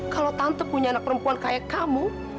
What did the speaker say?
kalau tante punya anak perempuan kayak kamu